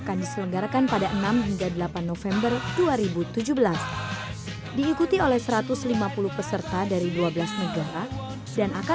baisikal baisikal baisikal